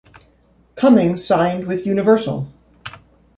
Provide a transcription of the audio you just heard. Cummings signed with Universal.